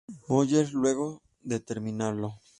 Moller luego de terminarlo.